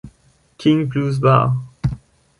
King Blues Bar.